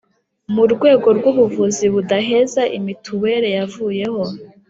Mu rwego rw ‘ubuvuzi budaheza imituweri yavuyeho.